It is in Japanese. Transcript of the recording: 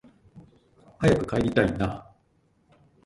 早く帰りたいなあ